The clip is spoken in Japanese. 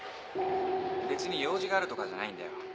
別に用事があるとかじゃないんだよ。